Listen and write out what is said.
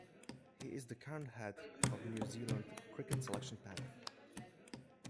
He is the current head of the New Zealand Cricket selection panel.